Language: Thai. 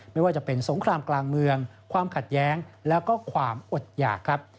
ไม่ว่าจะเป็นสงครามกลางเมืองความขัดแย้งแล้วก็ความอดหยากครับ